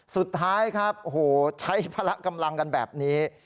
สุดท้ายครับโอ้โหใช้พละกำลังกันแบบนี้